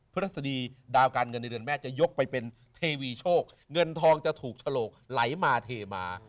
ฤษฎีดาวการเงินในเดือนแม่จะยกไปเป็นเทวีโชคเงินทองจะถูกฉลกไหลมาเทมา